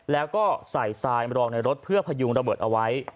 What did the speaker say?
แล้วก็ใส่ทรายมารองในรถเพื่อพยุงระเบิดเอาไว้